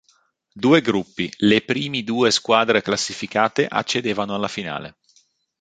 Due gruppi, le primi due squadre classificate accedevano alla finale.